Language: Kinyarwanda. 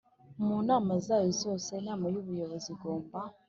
Mu nama zayo zose inama y ubuyobozi igomba